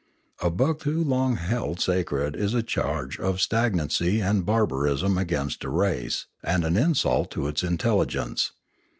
A book too long held sacred is a charge of stagnancy and bar barism against a race and an insult to its intelligence.